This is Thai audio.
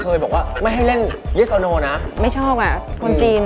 รอที่จะมาอัปเดตผลงานแล้วก็เข้าไปโด่งดังไกลถึงประเทศจีน